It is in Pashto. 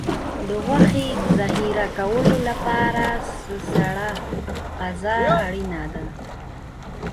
د غوښې ذخیره کولو لپاره سړه فضا اړینه ده.